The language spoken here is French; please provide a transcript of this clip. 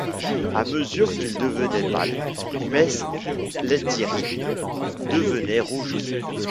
À mesure qu’il devenait pâle, mess Lethierry devenait rouge.